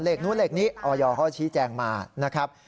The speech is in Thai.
นู้นเลขนี้ออยเขาชี้แจงมานะครับ